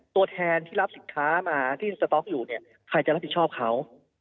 ตัวแทนที่รับสินค้ามาที่สต๊อกอยู่เนี่ยใครจะรับผิดชอบเขา